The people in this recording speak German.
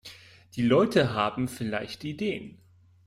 Die Leute haben vielleicht Ideen!